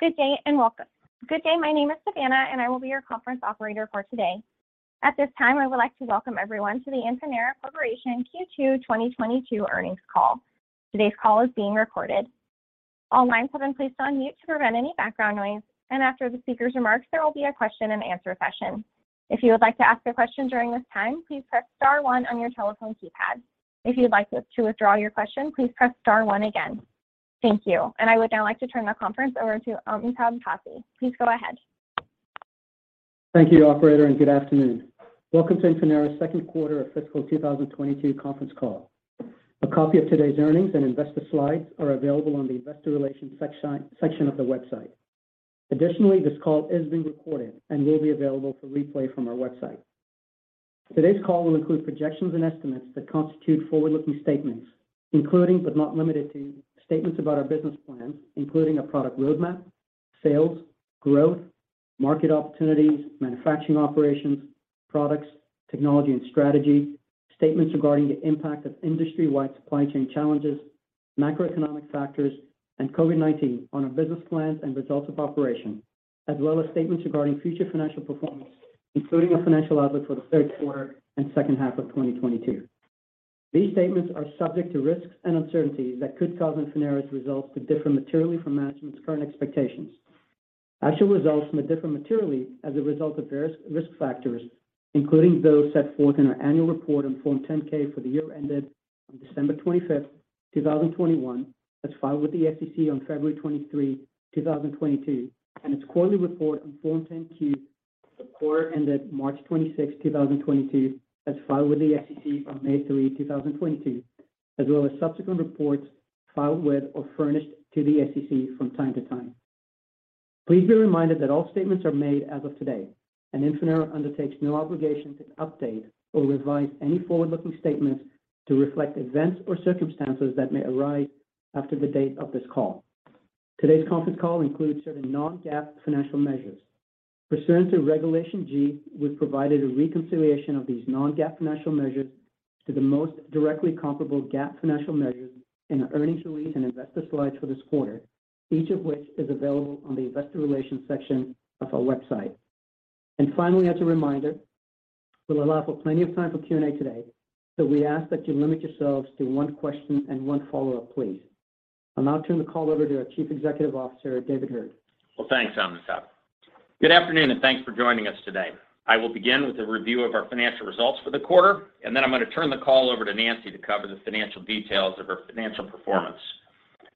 Good day, and welcome. Good day. My name is Savannah, and I will be your conference operator for today. At this time, I would like to welcome everyone to the Infinera Corporation Q2 2022 Earnings Call. Today's call is being recorded. All lines have been placed on mute to prevent any background noise, and after the speaker's remarks, there will be a question and answer session. If you would like to ask a question during this time, please press star one on your telephone keypad. If you'd like to withdraw your question, please press star one again. Thank you. I would now like to turn the conference over to Amitabh Passi. Please go ahead. Thank you, operator, and good afternoon. Welcome to Infinera's second quarter of fiscal 2022 conference call. A copy of today's earnings and investor slides are available on the investor relations section of the website. Additionally, this call is being recorded and will be available for replay from our website. Today's call will include projections and estimates that constitute forward-looking statements, including, but not limited to, statements about our business plans, including a product roadmap, sales, growth, market opportunities, manufacturing operations, products, technology, and strategy, statements regarding the impact of industry-wide supply chain challenges, macroeconomic factors, and COVID-19 on our business plans and results of operations, as well as statements regarding future financial performance, including a financial outlook for the third quarter and second half of 2022. These statements are subject to risks and uncertainties that could cause Infinera's results to differ materially from management's current expectations. Actual results may differ materially as a result of various risk factors, including those set forth in our annual report on Form 10-K for the year ended on December 25th, 2021, as filed with the SEC on February 23, 2022, and its quarterly report on Form 10-Q for the quarter ended March 26, 2022, as filed with the SEC on May 3, 2022, as well as subsequent reports filed with or furnished to the SEC from time to time. Please be reminded that all statements are made as of today, and Infinera undertakes no obligation to update or revise any forward-looking statements to reflect events or circumstances that may arise after the date of this call. Today's conference call includes certain non-GAAP financial measures. Pursuant to Regulation G, we've provided a reconciliation of these non-GAAP financial measures to the most directly comparable GAAP financial measures in our earnings release and investor slides for this quarter, each of which is available on the investor relations section of our website. Finally, as a reminder, we'll allow for plenty of time for Q&A today, so we ask that you limit yourselves to one question and one follow-up, please. I'll now turn the call over to our Chief Executive Officer, David Heard. Well, thanks, Amitabh. Good afternoon, and thanks for joining us today. I will begin with a review of our financial results for the quarter, and then I'm going to turn the call over to Nancy to cover the financial details of our financial performance.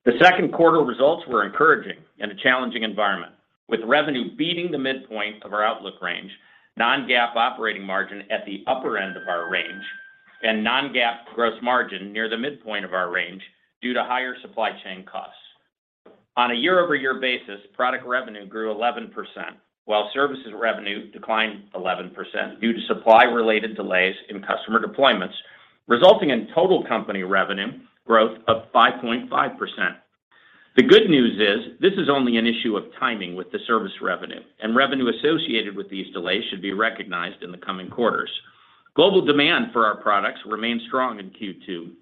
The second quarter results were encouraging in a challenging environment, with revenue beating the midpoint of our outlook range, non-GAAP operating margin at the upper end of our range, and non-GAAP gross margin near the midpoint of our range due to higher supply chain costs. On a year-over-year basis, product revenue grew 11%, while services revenue declined 11% due to supply-related delays in customer deployments, resulting in total company revenue growth of 5.5%. The good news is this is only an issue of timing with the service revenue, and revenue associated with these delays should be recognized in the coming quarters. Global demand for our products remained strong in Q2,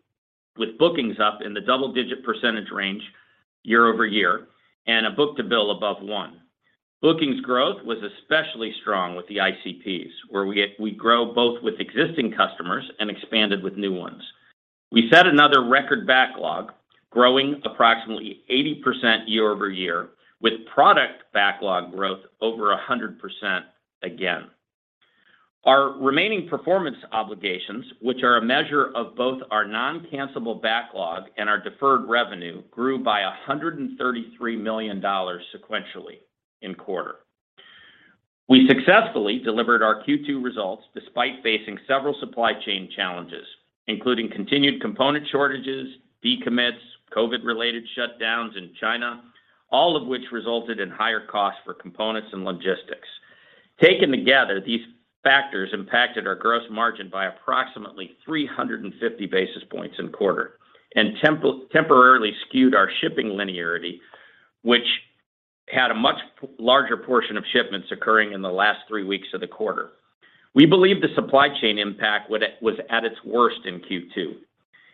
with bookings up in the double-digit percentage range year-over-year and a book-to-bill above one. Bookings growth was especially strong with the ICPs, where we grow both with existing customers and expanded with new ones. We set another record backlog, growing approximately 80% year-over-year, with product backlog growth over 100% again. Our remaining performance obligations, which are a measure of both our non-cancellable backlog and our deferred revenue, grew by $133 million sequentially in quarter. We successfully delivered our Q2 results despite facing several supply chain challenges, including continued component shortages, decommits, COVID-related shutdowns in China, all of which resulted in higher costs for components and logistics. Taken together, these factors impacted our gross margin by approximately 350 basis points in quarter and temporarily skewed our shipping linearity, which had a much larger portion of shipments occurring in the last three weeks of the quarter. We believe the supply chain impact was at its worst in Q2,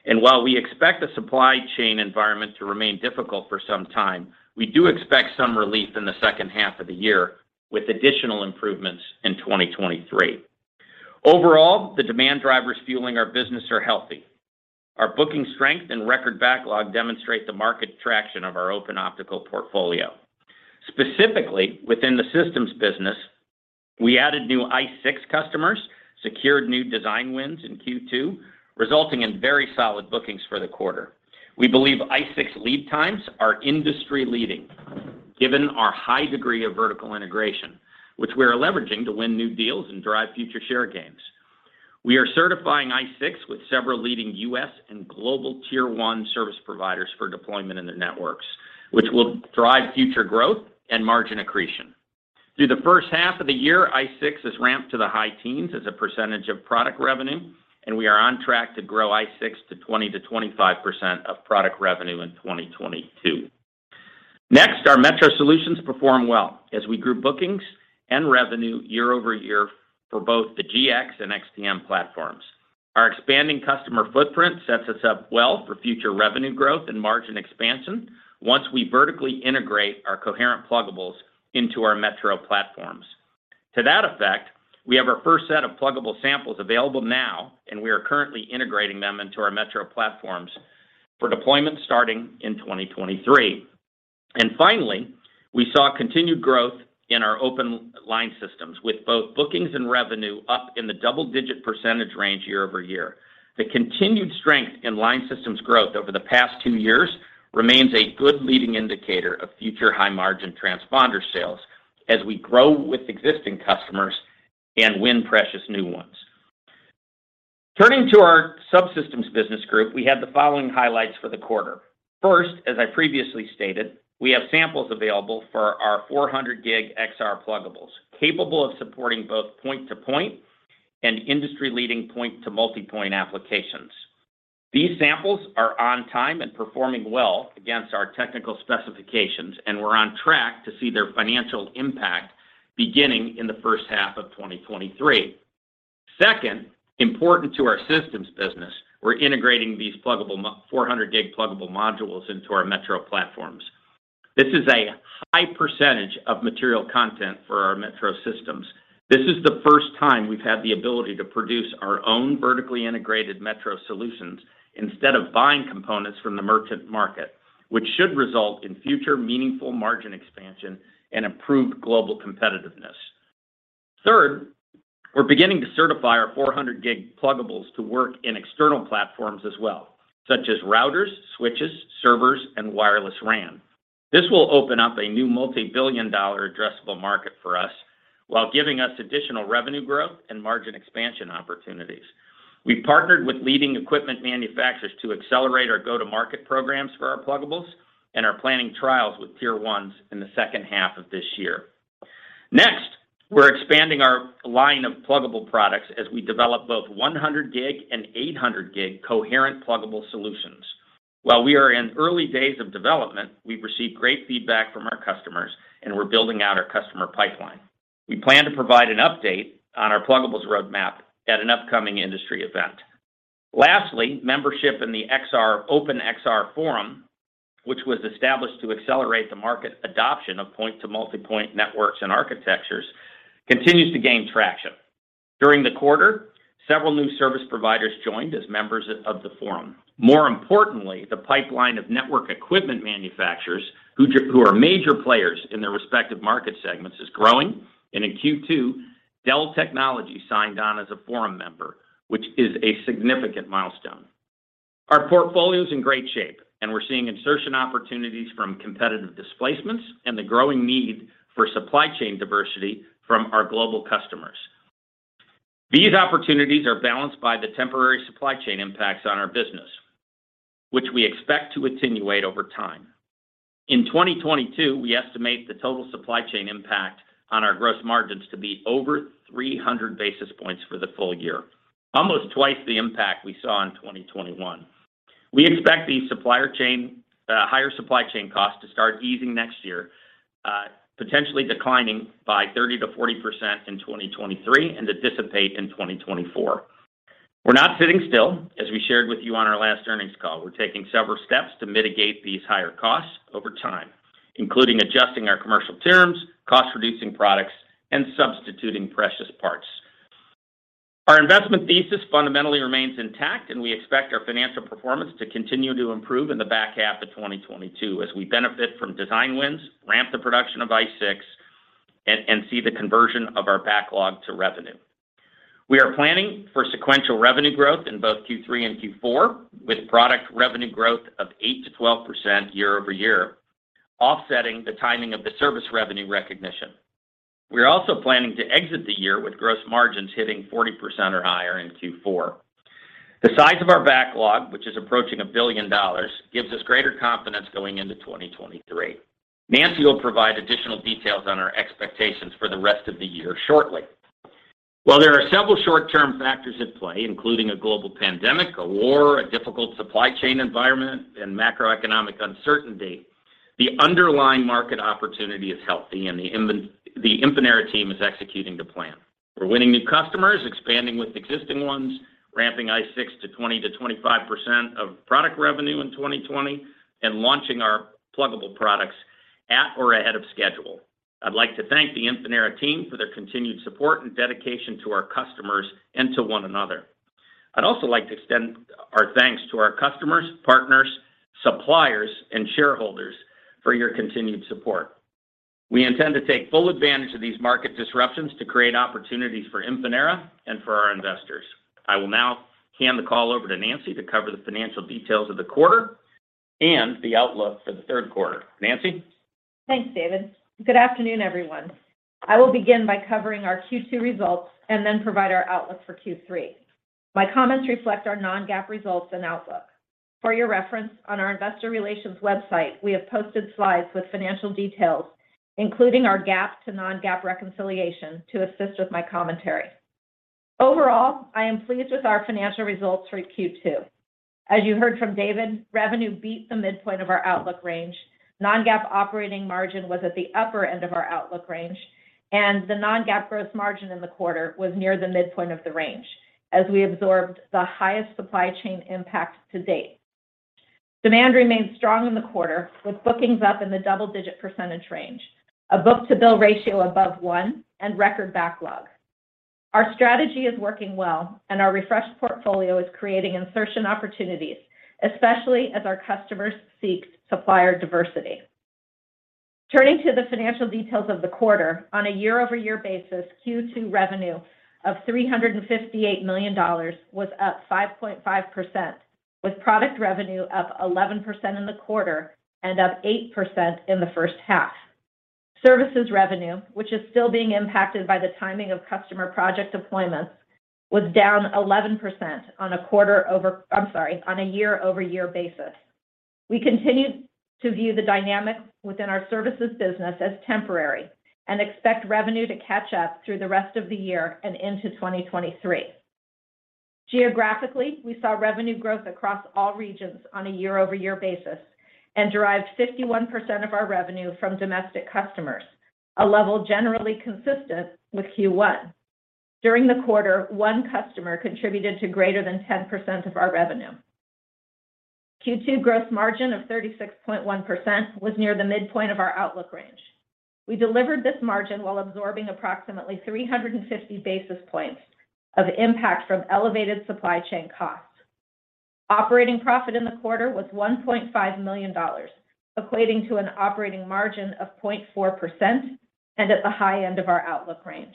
and while we expect the supply chain environment to remain difficult for some time, we do expect some relief in the second half of the year, with additional improvements in 2023. Overall, the demand drivers fueling our business are healthy. Our booking strength and record backlog demonstrate the market traction of our open optical portfolio. Specifically, within the systems business, we added new ICE6 customers, secured new design wins in Q2, resulting in very solid bookings for the quarter. We believe ICE6 lead times are industry-leading, given our high degree of vertical integration, which we are leveraging to win new deals and drive future share gains. We are certifying ICE6 with several leading U.S. and global tier one service providers for deployment in their networks, which will drive future growth and margin accretion. Through the first half of the year, ICE6 has ramped to the high teens of the percentage of product revenue, and we are on track to grow ICE6 to 20% to 25% of product revenue in 2022. Next, our metro solutions performed well as we grew bookings and revenue year-over-year for both the GX and XTM platforms. Our expanding customer footprint sets us up well for future revenue growth and margin expansion once we vertically integrate our coherent pluggables into our metro platforms. To that effect, we have our first set of pluggable samples available now, and we are currently integrating them into our metro platforms for deployment starting in 2023. Finally, we saw continued growth in our Open Line Systems, with both bookings and revenue up in the double-digit % range year-over-year. The continued strength in line systems growth over the past two years remains a good leading indicator of future high-margin transponder sales as we grow with existing customers and win precious new ones. Turning to our subsystems business group, we have the following highlights for the quarter. First, as I previously stated, we have samples available for our 400G XR pluggables, capable of supporting both point-to-point and industry-leading point-to-multipoint applications. These samples are on time and performing well against our technical specifications, and we're on track to see their financial impact beginning in the first half of 2023. Second, important to our systems business, we're integrating these 400G pluggable modules into our metro platforms. This is a high percentage of material content for our metro systems. This is the first time we've had the ability to produce our own vertically integrated metro solutions instead of buying components from the merchant market, which should result in future meaningful margin expansion and improved global competitiveness. Third, we're beginning to certify our 400G pluggables to work in external platforms as well, such as routers, switches, servers, and wireless RAN. This will open up a new multi-billion dollar addressable market for us while giving us additional revenue growth and margin expansion opportunities. We've partnered with leading equipment manufacturers to accelerate our go-to-market programs for our pluggables and are planning trials with tier ones in the second half of this year. Next, we're expanding our line of pluggable products as we develop both 100 gig and 800 gig coherent pluggable solutions. While we are in early days of development, we've received great feedback from our customers, and we're building out our customer pipeline. We plan to provide an update on our pluggables roadmap at an upcoming industry event. Lastly, membership in the Open XR Forum, which was established to accelerate the market adoption of point-to-multipoint networks and architectures, continues to gain traction. During the quarter, several new service providers joined as members of the forum. More importantly, the pipeline of network equipment manufacturers who are major players in their respective market segments is growing, and in Q2, Dell Technologies signed on as a forum member, which is a significant milestone. Our portfolio is in great shape, and we're seeing insertion opportunities from competitive displacements and the growing need for supply chain diversity from our global customers. These opportunities are balanced by the temporary supply chain impacts on our business, which we expect to attenuate over time. In 2022, we estimate the total supply chain impact on our gross margins to be over 300 basis points for the full year, almost twice the impact we saw in 2021. We expect higher supply chain costs to start easing next year, potentially declining by 30% to 40% in 2023 and to dissipate in 2024. We're not sitting still, as we shared with you on our last earnings call. We're taking several steps to mitigate these higher costs over time, including adjusting our commercial terms, cost-reducing products, and substituting precious parts. Our investment thesis fundamentally remains intact, and we expect our financial performance to continue to improve in the back half of 2022 as we benefit from design wins, ramp the production of ICE6, and see the conversion of our backlog to revenue. We are planning for sequential revenue growth in both Q3 and Q4, with product revenue growth of 8% to 12% year-over-year, offsetting the timing of the service revenue recognition. We are also planning to exit the year with gross margins hitting 40% or higher in Q4. The size of our backlog, which is approaching $1 billion, gives us greater confidence going into 2023. Nancy will provide additional details on our expectations for the rest of the year shortly. While there are several short-term factors at play, including a global pandemic, a war, a difficult supply chain environment, and macroeconomic uncertainty, the underlying market opportunity is healthy, and the Infinera team is executing to plan. We're winning new customers, expanding with existing ones, ramping ICE6 to 20% to 25% of product revenue in 2020, and launching our pluggable products at or ahead of schedule. I'd like to thank the Infinera team for their continued support and dedication to our customers and to one another. I'd also like to extend our thanks to our customers, partners, suppliers, and shareholders for your continued support. We intend to take full advantage of these market disruptions to create opportunities for Infinera and for our investors. I will now hand the call over to Nancy to cover the financial details of the quarter and the outlook for the third quarter. Nancy? Thanks, David. Good afternoon, everyone. I will begin by covering our Q2 results and then provide our outlook for Q3. My comments reflect our non-GAAP results and outlook. For your reference, on our investor relations website, we have posted slides with financial details, including our GAAP to non-GAAP reconciliation to assist with my commentary. Overall, I am pleased with our financial results for Q2. As you heard from David, revenue beat the midpoint of our outlook range. Non-GAAP operating margin was at the upper end of our outlook range, and the non-GAAP gross margin in the quarter was near the midpoint of the range as we absorbed the highest supply chain impact to date. Demand remained strong in the quarter, with bookings up in the double-digit percentage range, a book-to-bill ratio above one, and record backlog. Our strategy is working well, and our refreshed portfolio is creating insertion opportunities, especially as our customers seek supplier diversity. Turning to the financial details of the quarter, on a year-over-year basis, Q2 revenue of $358 million was up 5.5%, with product revenue up 11% in the quarter and up 8% in the first half. Services revenue, which is still being impacted by the timing of customer project deployments, was down 11% on a year-over-year basis. We continue to view the dynamic within our services business as temporary and expect revenue to catch up through the rest of the year and into 2023. Geographically, we saw revenue growth across all regions on a year-over-year basis and derived 51% of our revenue from domestic customers, a level generally consistent with Q1. During the quarter, one customer contributed to greater than 10% of our revenue. Q2 gross margin of 36.1% was near the midpoint of our outlook range. We delivered this margin while absorbing approximately 350 basis points of impact from elevated supply chain costs. Operating profit in the quarter was $1.5 million, equating to an operating margin of 0.4% and at the high end of our outlook range.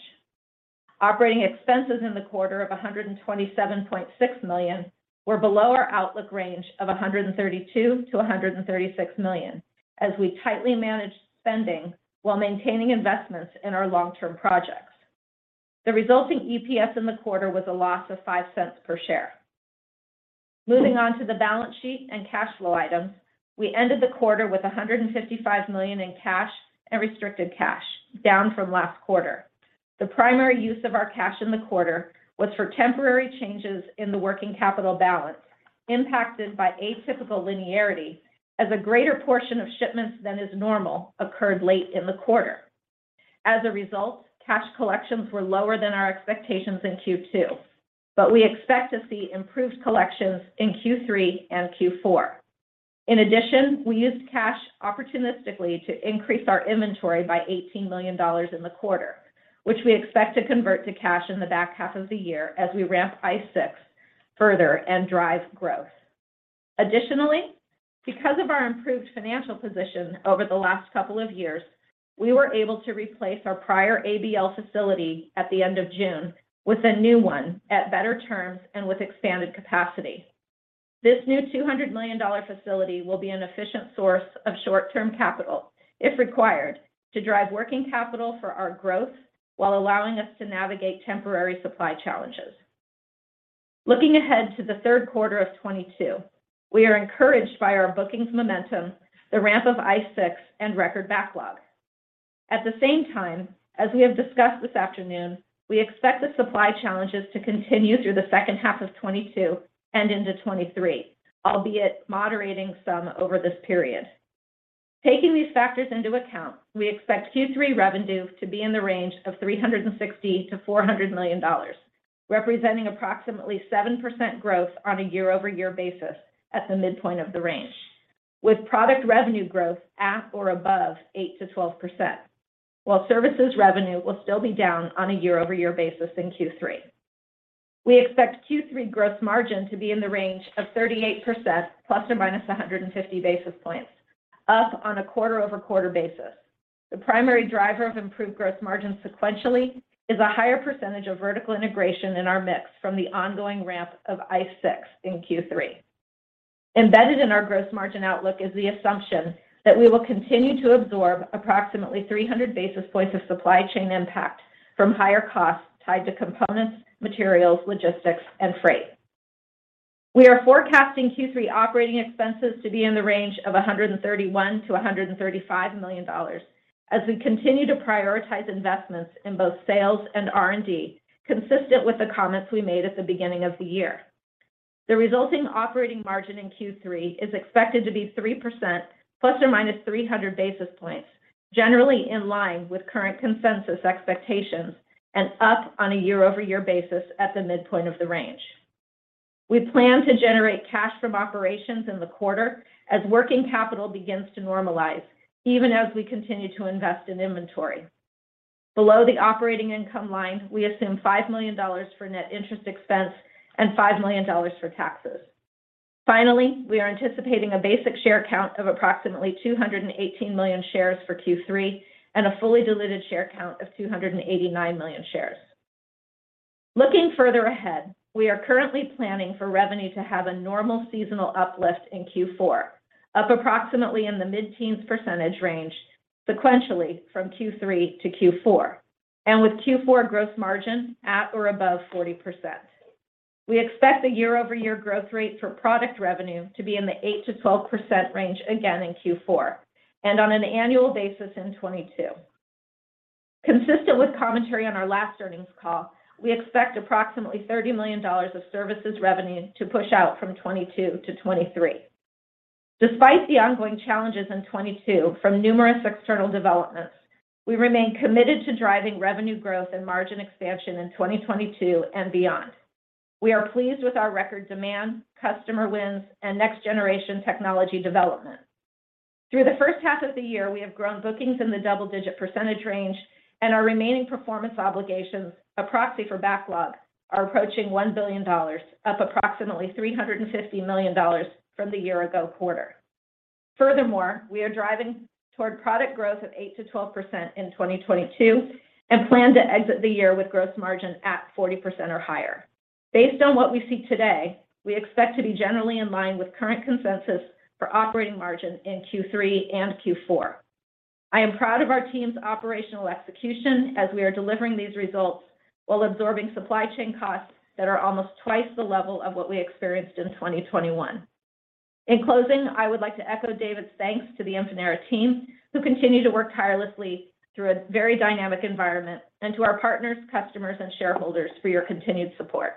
Operating expenses in the quarter of $127.6 million were below our outlook range of $132 million-$136 million as we tightly managed spending while maintaining investments in our long-term projects. The resulting EPS in the quarter was a loss of $0.05 per share. Moving on to the balance sheet and cash flow items, we ended the quarter with $155 million in cash and restricted cash, down from last quarter. The primary use of our cash in the quarter was for temporary changes in the working capital balance impacted by atypical linearity as a greater portion of shipments than is normal occurred late in the quarter. As a result, cash collections were lower than our expectations in Q2, but we expect to see improved collections in Q3 and Q4. In addition, we used cash opportunistically to increase our inventory by $18 million in the quarter, which we expect to convert to cash in the back half of the year as we ramp ICE6 further and drive growth. Additionally, because of our improved financial position over the last couple of years, we were able to replace our prior ABL facility at the end of June with a new one at better terms and with expanded capacity. This new $200 million facility will be an efficient source of short-term capital if required to drive working capital for our growth while allowing us to navigate temporary supply challenges. Looking ahead to the third quarter of 2022, we are encouraged by our bookings momentum, the ramp of ICE6, and record backlog. At the same time, as we have discussed this afternoon, we expect the supply challenges to continue through the second half of 2022 and into 2023, albeit moderating some over this period. Taking these factors into account, we expect Q3 revenue to be in the range of $360 million to $400 million, representing approximately 7% growth on a year-over-year basis at the midpoint of the range, with product revenue growth at or above 8%-12%, while services revenue will still be down on a year-over-year basis in Q3. We expect Q3 gross margin to be in the range of 38% ±150 basis points, up on a quarter-over-quarter basis. The primary driver of improved gross margin sequentially is a higher percentage of vertical integration in our mix from the ongoing ramp of ICE6 in Q3. Embedded in our gross margin outlook is the assumption that we will continue to absorb approximately 300 basis points of supply chain impact from higher costs tied to components, materials, logistics, and freight. We are forecasting Q3 operating expenses to be in the range of $131 million-$135 million as we continue to prioritize investments in both sales and R&D, consistent with the comments we made at the beginning of the year. The resulting operating margin in Q3 is expected to be 3% ±300 basis points, generally in line with current consensus expectations and up on a year-over-year basis at the midpoint of the range. We plan to generate cash from operations in the quarter as working capital begins to normalize even as we continue to invest in inventory. Below the operating income line, we assume $5 million for net interest expense and $5 million for taxes. Finally, we are anticipating a basic share count of approximately 218 million shares for Q3 and a fully diluted share count of 289 million shares. Looking further ahead, we are currently planning for revenue to have a normal seasonal uplift in Q4, up approximately in the mid-teens percentage range sequentially from Q3 to Q4, and with Q4 gross margin at or above 40%. We expect the year-over-year growth rate for product revenue to be in the 8%-12% range again in Q4 and on an annual basis in 2022. Consistent with commentary on our last earnings call, we expect approximately $30 million of services revenue to push out from 2022 to 2023. Despite the ongoing challenges in 2022 from numerous external developments, we remain committed to driving revenue growth and margin expansion in 2022 and beyond. We are pleased with our record demand, customer wins, and next-generation technology development. Through the first half of the year, we have grown bookings in the double-digit percentage range, and our remaining performance obligations, a proxy for backlog, are approaching $1 billion, up approximately $350 million from the year-ago quarter. Furthermore, we are driving toward product growth of 8% to 12% in 2022 and plan to exit the year with gross margin at 40% or higher. Based on what we see today, we expect to be generally in line with current consensus for operating margin in Q3 and Q4. I am proud of our team's operational execution as we are delivering these results while absorbing supply chain costs that are almost twice the level of what we experienced in 2021. In closing, I would like to echo David's thanks to the Infinera team, who continue to work tirelessly through a very dynamic environment, and to our partners, customers, and shareholders for your continued support.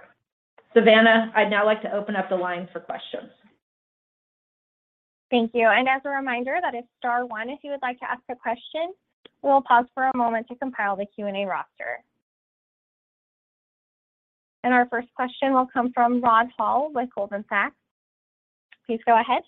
Savannah, I'd now like to open up the line for questions. Thank you. As a reminder, that is star one if you would like to ask a question. We'll pause for a moment to compile the Q&A roster. Our first question will come from Rod Hall with Goldman Sachs. Please go ahead.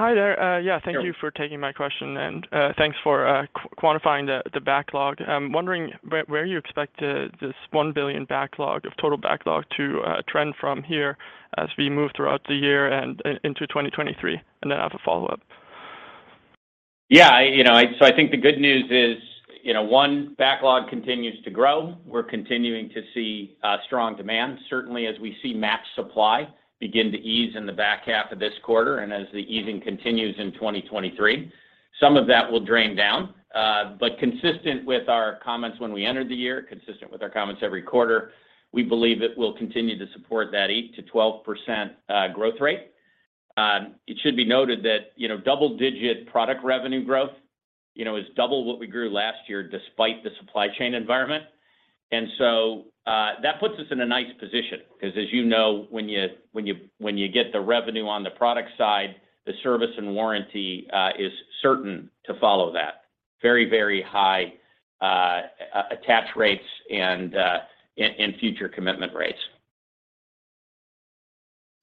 Hi there. Yeah, thank you for taking my question, and thanks for quantifying the backlog. I'm wondering where you expect this $1 billion backlog of total backlog to trend from here as we move throughout the year and into 2023. Then I have a follow-up. I think the good news is, you know, one, backlog continues to grow. We're continuing to see strong demand. Certainly, as we see match supply begin to ease in the back half of this quarter, and as the easing continues in 2023, some of that will drain down. Consistent with our comments when we entered the year, consistent with our comments every quarter, we believe it will continue to support that 8% to 12% growth rate. It should be noted that, you know, double-digit product revenue growth, you know, is double what we grew last year despite the supply chain environment. That puts us in a nice position because, as you know, when you get the revenue on the product side, the service and warranty is certain to follow that. Very high attach rates and future commitment rates.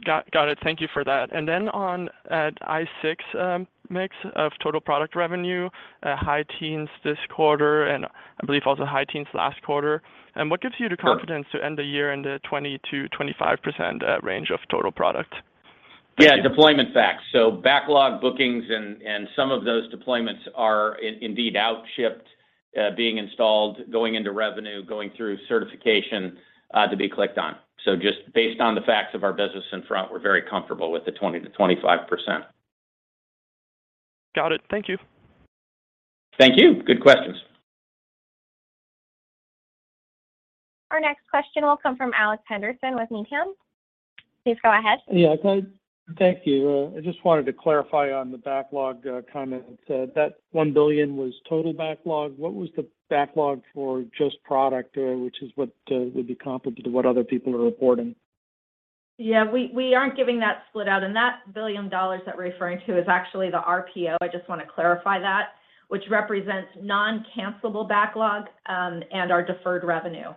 Got it. Thank you for that. On ICE6, mix of total product revenue, high teens this quarter and I believe also high teens last quarter. What gives you the confidence to end the year in the 20% to 25% range of total product? Thank you. Yeah, deployment facts. Backlog bookings and some of those deployments are indeed outshipped, being installed, going into revenue, going through certification, to be kicked off. Just based on the facts of our business up front, we're very comfortable with the 20% to 25%. Got it. Thank you. Thank you. Good questions. Our next question will come from Alex Henderson with Needham. Please go ahead. Yeah. Thank you. I just wanted to clarify on the backlog comment. That $1 billion was total backlog. What was the backlog for just product, which is what would be comparable to what other people are reporting? Yeah. We aren't giving that split out. That $1 billion that we're referring to is actually the RPO, I just want to clarify that, which represents non-cancelable backlog and our deferred revenue.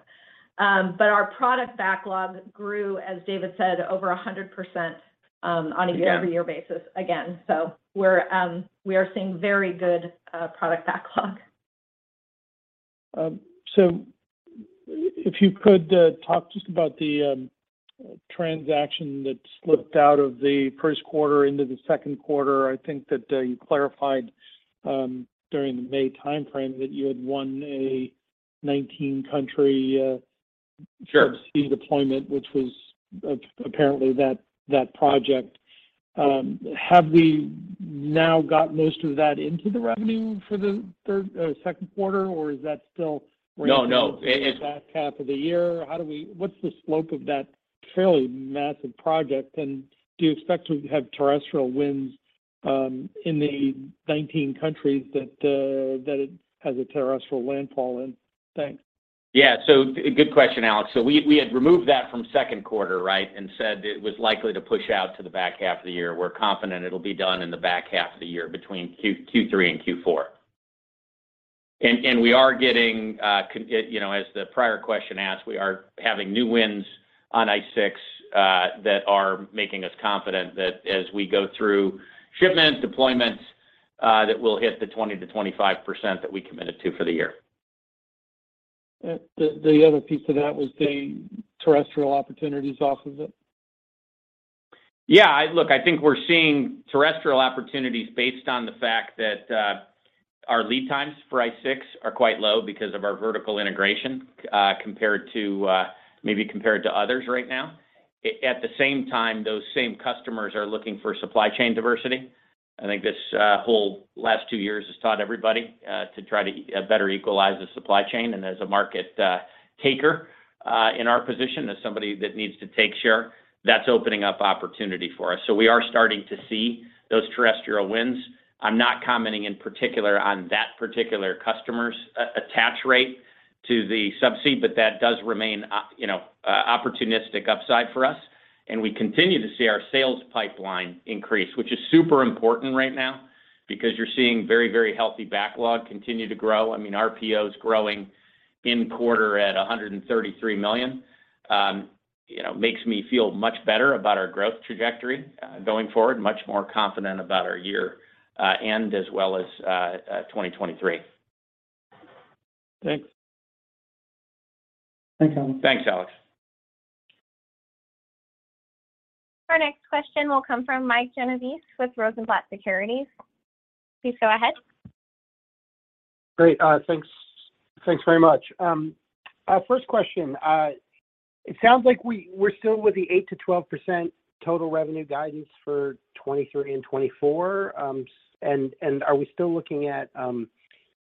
Our product backlog grew, as David said, over 100%, on a year-over-year basis again. We are seeing very good product backlog. If you could talk just about the transaction that slipped out of the first quarter into the second quarter. I think that you clarified during the May timeframe that you had won a 19-country, subsea deployment, which was apparently that project. Have we now got most of that into the revenue for the second quarter, or is that still- No, no. -waiting for the back half of the year? What's the slope of that fairly massive project, and do you expect to have terrestrial wins in the 19 countries that it has a terrestrial landfall in? Thanks. Good question, Alex. We had removed that from second quarter, right? Said it was likely to push out to the back half of the year. We're confident it'll be done in the back half of the year between Q3 and Q4. You know, as the prior question asked, we are having new wins on ICE6 that are making us confident that as we go through shipments, deployments that we'll hit the 20% to 25% that we committed to for the year. The other piece of that was the terrestrial opportunities off of it. Yeah. Look, I think we're seeing terrestrial opportunities based on the fact that our lead times for ICE6 are quite low because of our vertical integration compared to others right now. At the same time, those same customers are looking for supply chain diversity. I think this whole last two years has taught everybody to try to better equalize the supply chain. As a market taker in our position, as somebody that needs to take share, that's opening up opportunity for us. We are starting to see those terrestrial wins. I'm not commenting in particular on that particular customer's attach rate to the subsea, but that does remain, you know, opportunistic upside for us. We continue to see our sales pipeline increase, which is super important right now because you're seeing very, very healthy backlog continue to grow. I mean, RPO's growing in quarter at $133 million. You know, makes me feel much better about our growth trajectory going forward. Much more confident about our year end as well as 2023. Thanks. Thanks, Alex. Our next question will come from Mike Genovese with Rosenblatt Securities. Please go ahead. Great. Thanks. Thanks very much. First question. It sounds like we're still with the 8% to 12% total revenue guidance for 2023 and 2024. Are we still looking at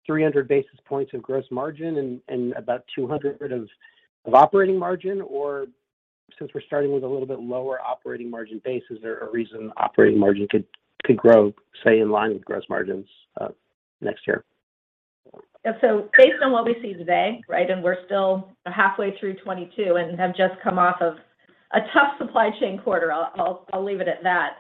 300 basis points of gross margin and about 200 of operating margin? Or since we're starting with a little bit lower operating margin base, is there a reason operating margin could grow, say, in line with gross margins next year? Yeah, based on what we see today, right, and we're still halfway through 2022 and have just come off of a tough supply chain quarter, I'll leave it at that.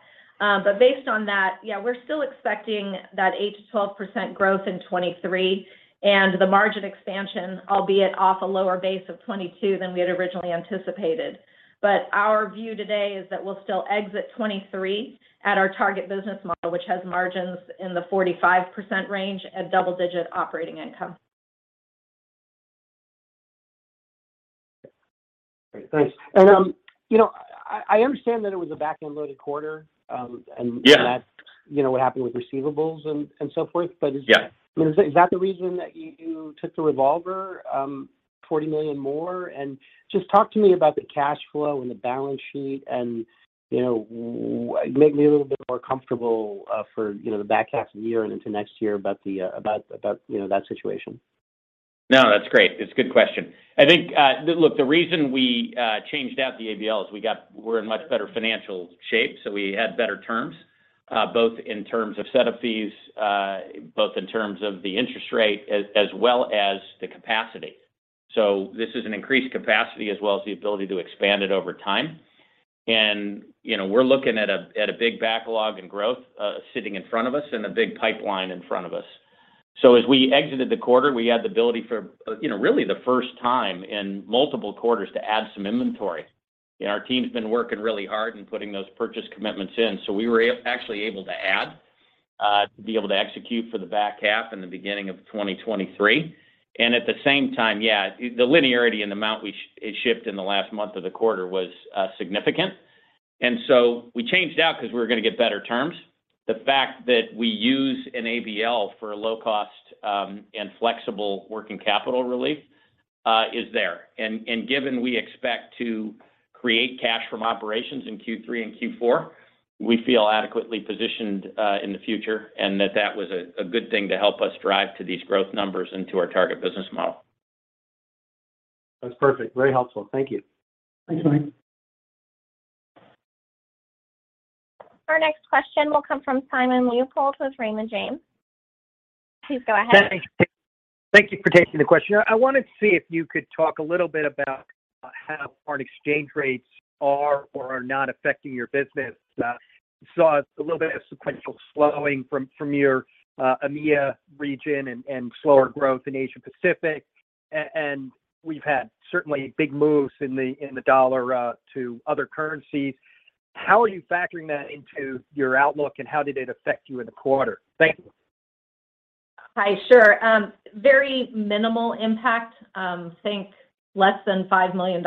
Based on that, yeah, we're still expecting that 8% to 12% growth in 2023, and the margin expansion, albeit off a lower base of 2022 than we had originally anticipated. Our view today is that we'll still exit 2023 at our target business model, which has margins in the 45% range at double-digit operating income. Great. Thanks. You know, I understand that it was a back-end loaded quarter, and that's, you know, what happened with receivables and so forth. Yeah. I mean, is that the reason that you took the revolver $40 million more? Just talk to me about the cash flow and the balance sheet and you know make me a little bit more comfortable for you know the back half of the year and into next year about that situation. No, that's great. It's a good question. I think, look, the reason we changed out the ABL is we're in much better financial shape, so we had better terms, both in terms of set-up fees, both in terms of the interest rate as well as the capacity. This is an increased capacity as well as the ability to expand it over time. You know, we're looking at a big backlog in growth sitting in front of us and a big pipeline in front of us. As we exited the quarter, we had the ability, you know, really for the first time in multiple quarters to add some inventory. Our team's been working really hard and putting those purchase commitments in, so we were actually able to add to be able to execute for the back half and the beginning of 2023. At the same time, the linearity and the amount we shipped in the last month of the quarter was significant. We changed out because we're gonna get better terms. The fact that we use an ABL for low cost and flexible working capital relief is there. Given we expect to create cash from operations in Q3 and Q4, we feel adequately positioned in the future and that was a good thing to help us drive to these growth numbers and to our target business model. That's perfect. Very helpful. Thank you. Thanks, Mike. Our next question will come from Simon Leopold with Raymond James. Please go ahead. Hey. Thank you for taking the question. I wanted to see if you could talk a little bit about how foreign exchange rates are or are not affecting your business. We saw a little bit of sequential slowing from your EMEA region and slower growth in Asia Pacific. We've had certainly big moves in the dollar to other currencies. How are you factoring that into your outlook, and how did it affect you in the quarter? Thank you. Hi. Sure. Very minimal impact. Think less than $5 million,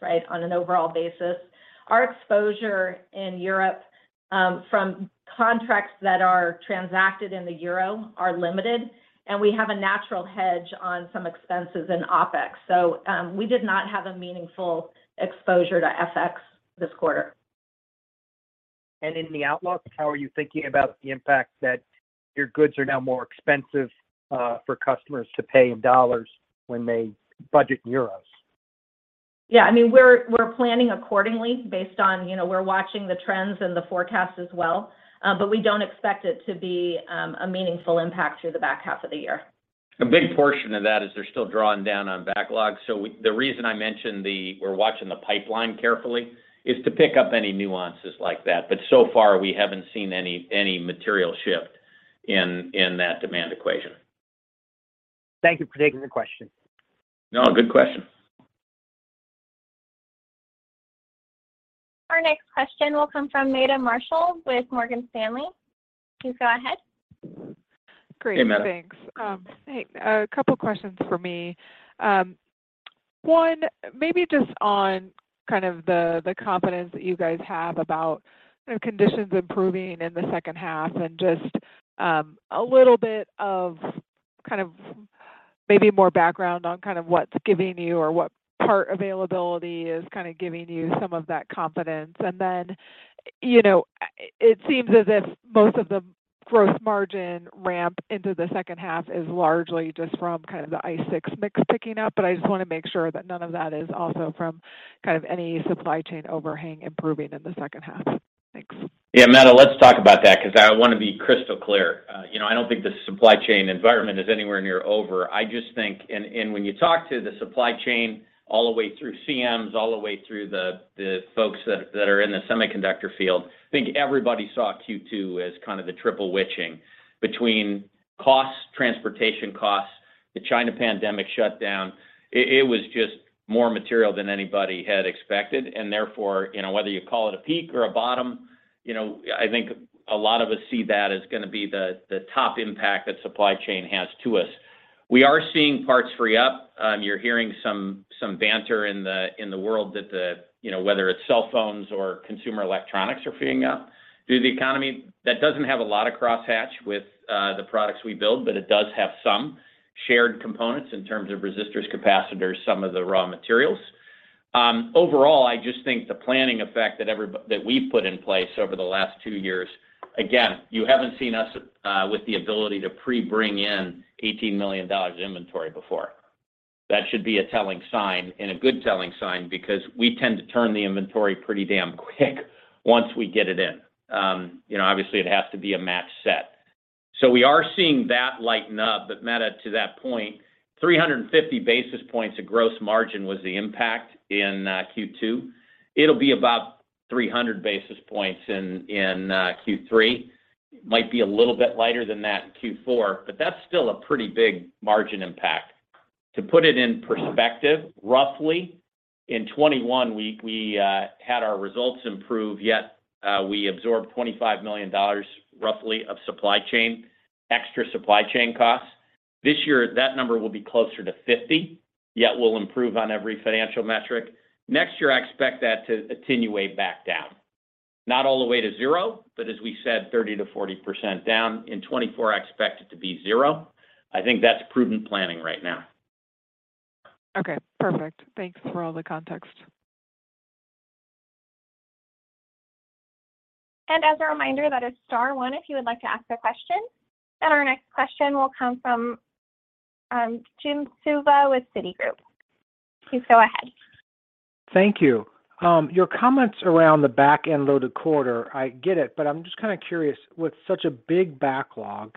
right, on an overall basis. Our exposure in Europe, from contracts that are transacted in the euro are limited, and we have a natural hedge on some expenses in OpEx. We did not have a meaningful exposure to FX this quarter. In the outlook, how are you thinking about the impact that your goods are now more expensive, for customers to pay in dollars when they budget in euros? Yeah. I mean, we're planning accordingly based on, you know, we're watching the trends and the forecast as well. We don't expect it to be a meaningful impact through the back half of the year. A big portion of that is they're still drawing down on backlog. The reason I mentioned that we're watching the pipeline carefully is to pick up any nuances like that. So far we haven't seen any material shift in that demand equation. Thank you for taking the question. No, good question. Our next question will come from Meta Marshall with Morgan Stanley. Please go ahead. Hey, Meta. Great. Thanks. Hey, a couple questions for me. One, maybe just on kind of the confidence that you guys have about the conditions improving in the second half and just a little bit of kind of maybe more background on kind of what's giving you or what part availability is kind of giving you some of that confidence. You know, it seems as if most of the gross margin ramp into the second half is largely just from kind of the ICE6 mix picking up, but I just wanna make sure that none of that is also from kind of any supply chain overhang improving in the second half. Thanks. Yeah, Meta, let's talk about that because I want to be crystal clear. You know, I don't think the supply chain environment is anywhere near over. I just think when you talk to the supply chain all the way through CMs, all the way through the folks that are in the semiconductor field, I think everybody saw Q2 as kind of the triple witching between costs, transportation costs, the China pandemic shutdown. It was just more material than anybody had expected. Therefore, you know, whether you call it a peak or a bottom, you know, I think a lot of us see that as gonna be the top impact that supply chain has to us. We are seeing parts free up. You're hearing some banter in the world that, you know, whether it's cell phones or consumer electronics are freeing up due to the economy. That doesn't have a lot of crossover with the products we build, but it does have some shared components in terms of resistors, capacitors, some of the raw materials. Overall, I just think the planning effect that we've put in place over the last two years, again, you haven't seen us with the ability to pre-bring in $18 million inventory before. That should be a telling sign and a good telling sign because we tend to turn the inventory pretty damn quick once we get it in. You know, obviously it has to be a match set. We are seeing that lighten up. Meta, to that point, 350 basis points of gross margin was the impact in Q2. It'll be about 300 basis points in Q3. Might be a little bit lighter than that in Q4, but that's still a pretty big margin impact. To put it in perspective, roughly in 2021, we had our results improve, yet we absorbed $25 million roughly of supply chain, extra supply chain costs. This year, that number will be closer to $50 million, yet we'll improve on every financial metric. Next year, I expect that to attenuate back down. Not all the way to zero, but as we said, 30% to 40% down. In 2024, I expect it to be zero. I think that's prudent planning right now. Okay, perfect. Thanks for all the context. As a reminder, that is star one if you would like to ask a question. Our next question will come from, Jim Suva with Citigroup. Please go ahead. Thank you. Your comments around the back-end loaded quarter, I get it, but I'm just kind of curious. With such a big backlog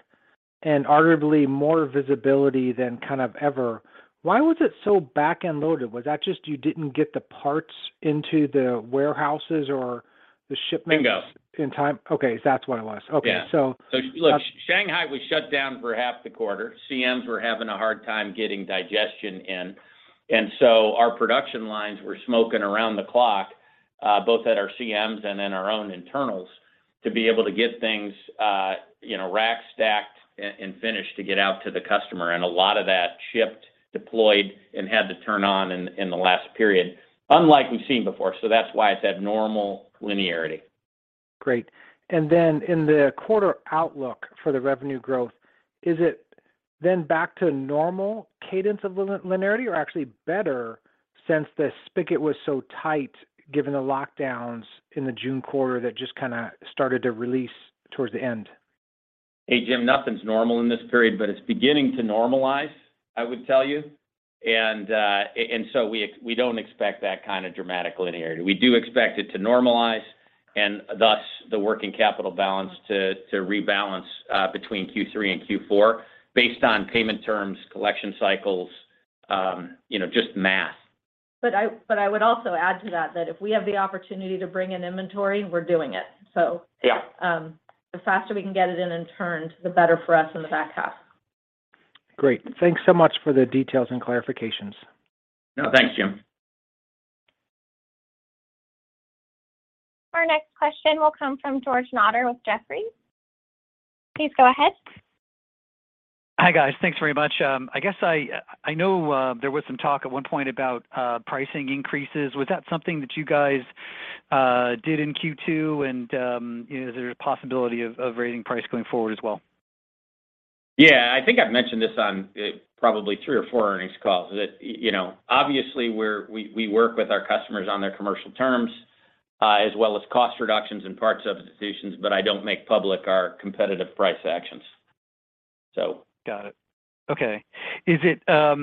and arguably more visibility than kind of ever, why was it so back-end loaded? Was that just you didn't get the parts into the warehouses or the shipments? Bingo. in time? Okay. That's what I want. Yeah. Okay. Look, Shanghai was shut down for half the quarter. CMs were having a hard time getting digestion in. Our production lines were smoking around the clock, both at our CMs and in our own internals to be able to get things, you know, rack stacked and finished to get out to the customer. A lot of that shipped, deployed, and had to turn on in the last period, unlike we've seen before. That's why it's that normal linearity. Great. In the quarter outlook for the revenue growth, is it back to normal cadence of line-linearity or actually better since the spigot was so tight given the lockdowns in the June quarter that just kind of started to release towards the end? Hey, Jim, nothing's normal in this period, but it's beginning to normalize, I would tell you. We don't expect that kind of dramatic linearity. We do expect it to normalize and thus the working capital balance to rebalance between Q3 and Q4 based on payment terms, collection cycles, you know, just math. I would also add to that if we have the opportunity to bring in inventory, we're doing it. The faster we can get it in and turned, the better for us in the back half. Great. Thanks so much for the details and clarifications. No, thanks, Jim. Our next question will come from George Notter with Jefferies. Please go ahead. Hi, guys. Thanks very much. I guess I know there was some talk at one point about pricing increases. Was that something that you guys did in Q2? You know, is there a possibility of raising price going forward as well? Yeah. I think I've mentioned this on probably three or four earnings calls that you know, obviously we work with our customers on their commercial terms as well as cost reductions and parts substitutions, but I don't make public our competitive price actions. Got it. Okay. Is it fair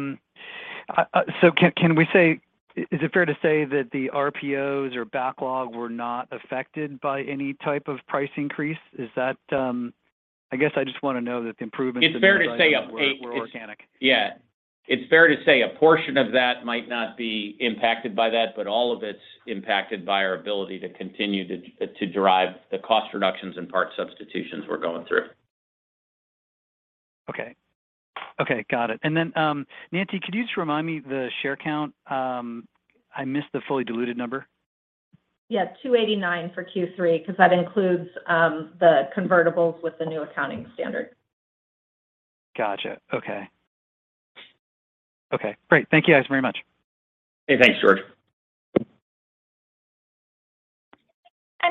to say that the RPOs or backlog were not affected by any type of price increase? Is that. I guess I just wanna know that the improvements in- It's fair to say. Margins were organic. Yeah. It's fair to say a portion of that might not be impacted by that, but all of it's impacted by our ability to continue to derive the cost reductions and parts substitutions we're going through. Okay, got it. Nancy, could you just remind me the share count? I missed the fully diluted number. Yeah, $289 for Q3 because that includes the convertibles with the new accounting standard. Gotcha. Okay, great. Thank you guys very much. Thanks, George.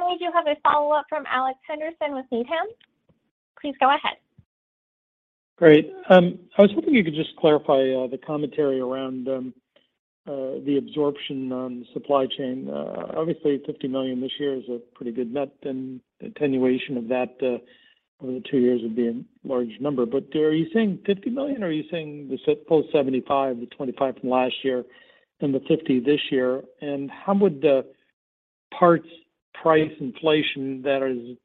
We do have a follow-up from Alex Henderson with Needham. Please go ahead. Great. I was hoping you could just clarify the commentary around the absorption on the supply chain. Obviously $50 million this year is a pretty good net and attenuation of that. Over the two years would be a large number. Are you saying $50 million, or are you saying the $75 million, the $25 million from last year and the $50 million this year? And how would the parts price inflation that is,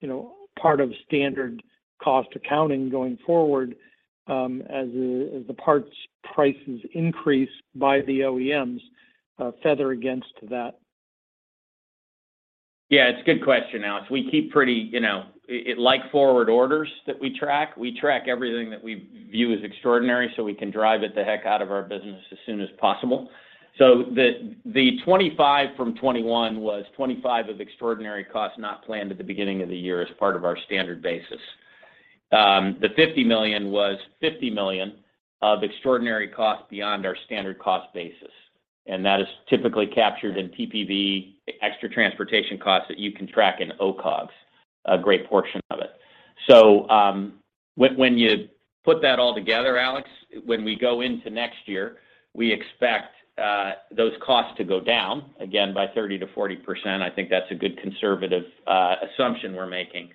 you know, part of standard cost accounting going forward, as the parts prices increase by the OEMs, factor against that? Yeah, it's a good question, Alex. We keep pretty, you know, forward orders that we track. We track everything that we view as extraordinary, so we can drive it the heck out of our business as soon as possible. The $25 million from 2021 was $25 million of extraordinary costs not planned at the beginning of the year as part of our standard basis. The $50 million was $50 million of extraordinary costs beyond our standard cost basis, and that is typically captured in PPV, extra transportation costs that you can track in OCOGS, a great portion of it. When you put that all together, Alex, when we go into next year, we expect those costs to go down again by 30% to 40%. I think that's a good conservative assumption we're making.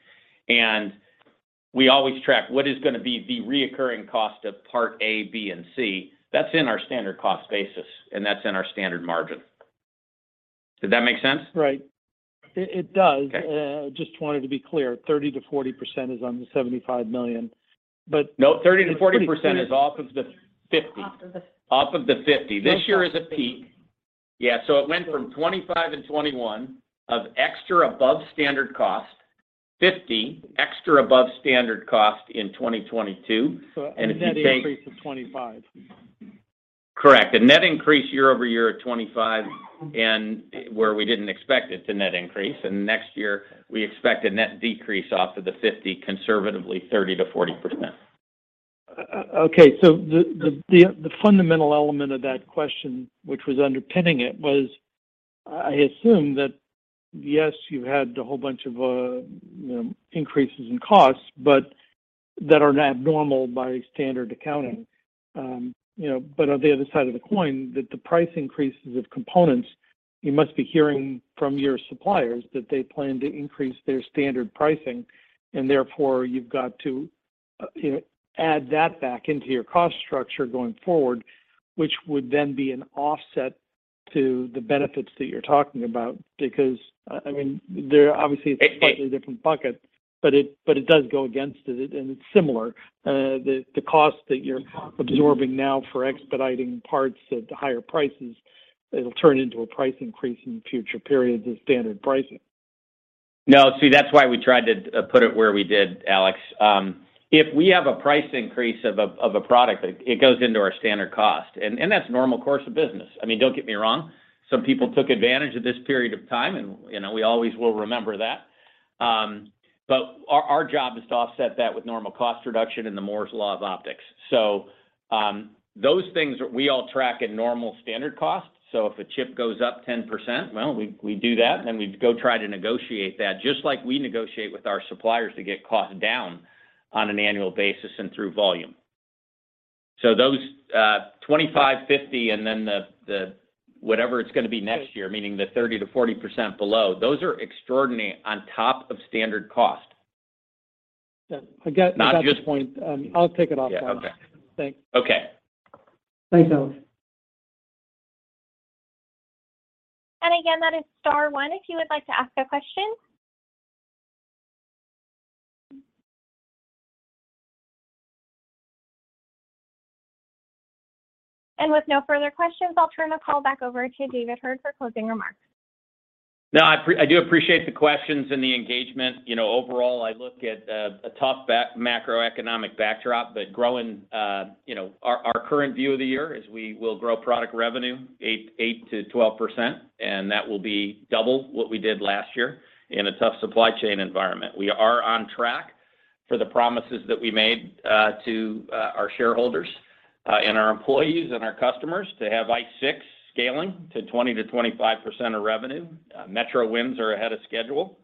We always track what is gonna be the recurring cost of part A, B, and C. That's in our standard cost basis, and that's in our standard margin. Did that make sense? Right. It does. Okay. Just wanted to be clear, 30%-40% is on the $75 million, but No, 30% to 40% is off of the 50%. Off of the 50. Off of the $50. This year is a peak. So it went from $25 in 2021 of extra above standard cost, $50 extra above standard cost in 2022. If you take- A net increase of 25. Correct. A net increase year-over-year of 25%, and where we didn't expect it to net increase. Next year we expect a net decrease off of the 50%, conservatively 30% to 40%. Okay. The fundamental element of that question, which was underpinning it, was, I assume, that, yes, you've had a whole bunch of, you know, increases in costs, but that are abnormal by standard accounting. You know, but on the other side of the coin, that the price increases of components, you must be hearing from your suppliers that they plan to increase their standard pricing and therefore you've got to, you know, add that back into your cost structure going forward, which would then be an offset to the benefits that you're talking about. I mean, they're obviously slightly different buckets, but it does go against it and it's similar. The cost that you're absorbing now for expediting parts at the higher prices, it'll turn into a price increase in future periods of standard pricing. No, see, that's why we tried to put it where we did, Alex. If we have a price increase of a product, it goes into our standard cost, and that's normal course of business. I mean, don't get me wrong, some people took advantage of this period of time and, you know, we always will remember that. Our job is to offset that with normal cost reduction and the Moore's Law of Optics. Those things we all track at normal standard cost. If a chip goes up 10%, well, we do that and then we go try to negotiate that just like we negotiate with our suppliers to get costs down on an annual basis and through volume. Those 25, 50 and then the whatever it's gonna be next year, meaning the 30% to 40% below, those are extraordinary on top of standard cost. I get that's your point. Not just... I'll take it off then. Yeah. Okay. Thanks. Okay. Thanks, Alex. Again, that is star one if you would like to ask a question. With no further questions, I'll turn the call back over to David Heard for closing remarks. No, I do appreciate the questions and the engagement. You know, overall, I look at a tough macroeconomic backdrop, but growing. Our current view of the year is we will grow product revenue 8% to 12%, and that will be double what we did last year in a tough supply chain environment. We are on track for the promises that we made to our shareholders and our employees and our customers to have ICE6 scaling to 20% to 25% of revenue. Metro wins are ahead of schedule.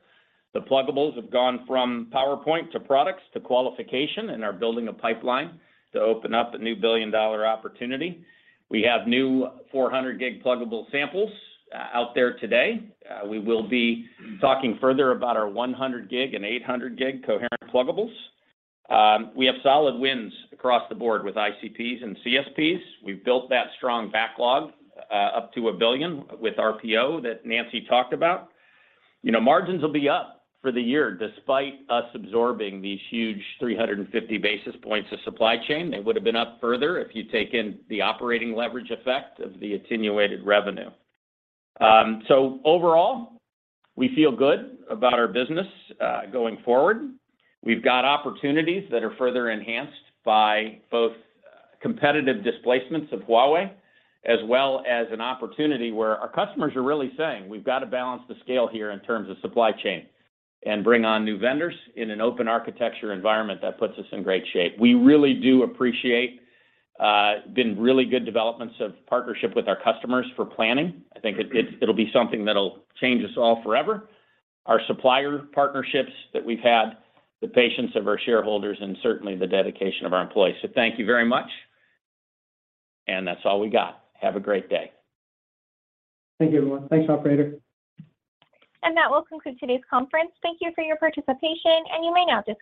The pluggables have gone from PowerPoint to products to qualification and are building a pipeline to open up a new billion-dollar opportunity. We have new 400G pluggable samples out there today. We will be talking further about our 100G and 800G coherent pluggables. We have solid wins across the board with ICPs and CSPs. We've built that strong backlog up to $1 billion with RPO that Nancy talked about. You know, margins will be up for the year despite us absorbing these huge 350 basis points of supply chain. They would've been up further if you take in the operating leverage effect of the attenuated revenue. Overall, we feel good about our business going forward. We've got opportunities that are further enhanced by both competitive displacements of Huawei, as well as an opportunity where our customers are really saying, "We've got to balance the scale here in terms of supply chain and bring on new vendors in an open architecture environment that puts us in great shape." We really do appreciate the really good developments of partnership with our customers for planning. I think it'll be something that'll change us all forever. Our supplier partnerships that we've had, the patience of our shareholders, and certainly the dedication of our employees. Thank you very much. That's all we got. Have a great day. Thank you, everyone. Thanks, operator. That will conclude today's conference. Thank you for your participation, and you may now disconnect.